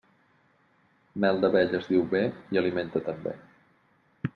Mel d'abelles diu bé, i alimenta també.